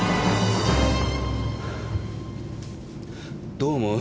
どう思う？